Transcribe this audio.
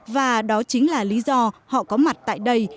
và đó chính là lý do họ có mặt tại đây